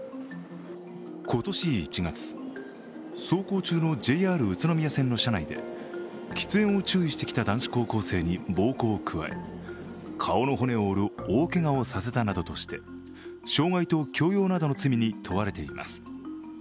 今年１月、走行中のＪＲ宇都宮線の車内で喫煙を注意してきた男子高校生に暴行を加え顔の骨を折る大けがをさせたなどとして、傷害と強要などの罪に問われています。